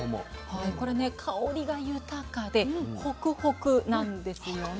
これね香りが豊かでホクホクなんですよね。